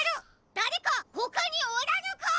だれかほかにおらぬか！？